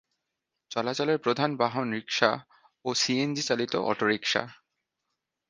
চলাচলের প্রধান বাহন রিক্সা ও সিএনজি চালিত অটোরিক্সা।